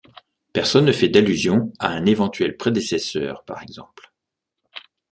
Personne ne fait d'allusion à un éventuel prédécesseur par exemple.